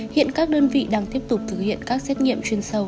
hiện các đơn vị đang tiếp tục thực hiện các xét nghiệm chuyên sâu